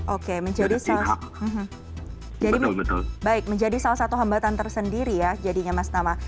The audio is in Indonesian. oke menjadi salah satu hambatan tersendiri ya jadinya mas tama